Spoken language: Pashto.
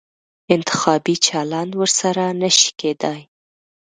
انتخابي چلند ورسره نه شي کېدای.